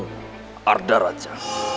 raden arda raja